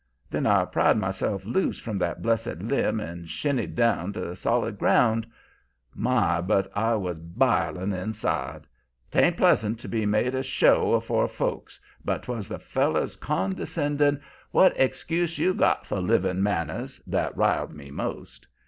Then I pried myself loose from that blessed limb and shinned down to solid ground. My! but I was b'iling inside. 'Taint pleasant to be made a show afore folks, but 'twas the feller's condescending what excuse you got for living manners that riled me most.